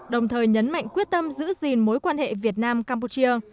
đồng thời nhấn mạnh quyết tâm giữ gìn mối quan hệ việt nam campuchia